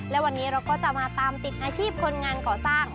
และวันนี้เราก็จะมาตามติดอาชีพคนงานก่อสร้าง